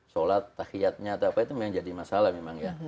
sholat tahiyadnya atau apa itu memang jadi masalah memang ya